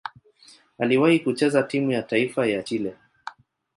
Aliwahi kucheza timu ya taifa ya Chile.